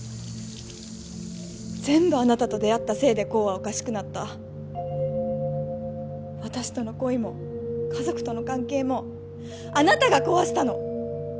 全部あなたと出会ったせいで功はおかしくなった私との恋も家族との関係もあなたが壊したの！